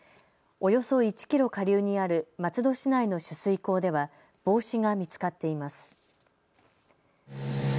およそ１キロ下流にある松戸市内の取水口では帽子が見つかっています。